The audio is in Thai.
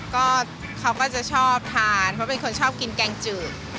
ก็เขาก็จะชอบทานเพราะเป็นคนชอบกินแกงจืด